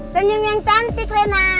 senyum yang cantik rena